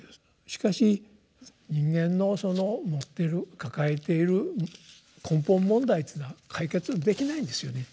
しかし人間の持ってる抱えている根本問題というのは解決できないんですよね。